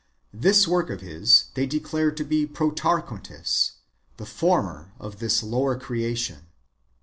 This work of his they declare to be Protarchontes, the former of this [lower] creation.